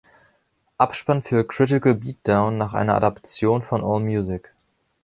Abspann für „Critical Beatdown" nach einer Adaption von Allmusic.